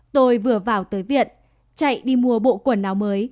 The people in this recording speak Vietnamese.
tôi vừa vào tới viện chạy đi mua bộ quần áo mới